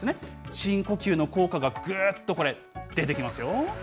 深呼吸の効果がぐーっとこれ、出てきますよ。